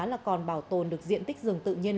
là còn bảo tồn được diện tích rừng tự nhiên